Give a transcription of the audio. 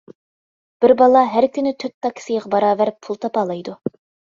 بىر بالا ھەر كۈنى تۆت تاكسىغا باراۋەر پۇل تاپالايدۇ.